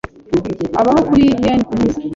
Abaho kuri yen kumunsi .